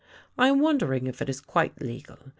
" I am wondering if it is quite legal.